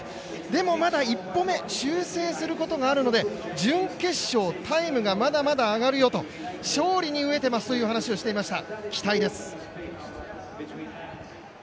でもまだ１本目修正することがあるので準決勝タイムがまだまだ上がるよと勝利に飢えていますという話をしていました、期待です。